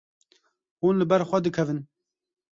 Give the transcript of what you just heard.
Hûn li ber xwe dikevin.